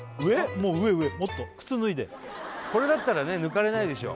もう上上もっと靴脱いでこれだったらね抜かれないでしょ